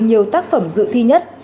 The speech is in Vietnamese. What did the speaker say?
nhiều tác phẩm sự thi nhất